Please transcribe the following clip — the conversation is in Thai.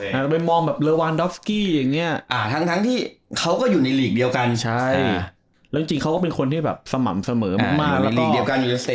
เราไปมองแบบลวานดอฟสกี้อย่างเนี่ยอ่าทั้งที่เขาก็อยู่ในลีกเดียวกันใช่แล้วจริงเขาก็เป็นคนที่แบบสม่ำเสมอมาก